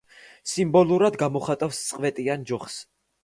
სიმბოლურად გამოხატავს წვეტიან ჯოხს.